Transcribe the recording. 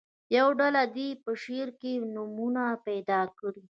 یوه ډله دې په شعر کې نومونه پیدا کړي.